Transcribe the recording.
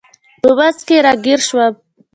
په منځ کې راګیر شوم.